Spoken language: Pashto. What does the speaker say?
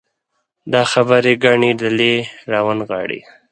دا خبرې ګڼې ډلې راونغاړي.